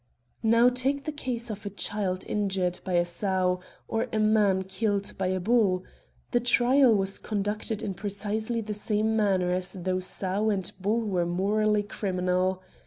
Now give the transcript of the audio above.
Now take the case of a child injured by a sow, or a man killed by a bull : the trial was conducted in precisely the same manner as though sow and bull were morally criminal.